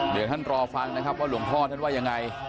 เดี๋ยวท่านรอฟังนะครับว่าหลวงพ่อท่านว่ายังไง